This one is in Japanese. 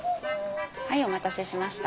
はいお待たせしました。